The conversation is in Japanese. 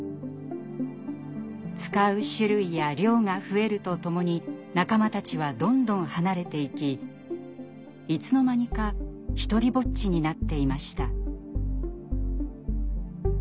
使う種類や量が増えるとともに仲間たちはどんどん離れていきいつの間にか独りぼっちになっていました。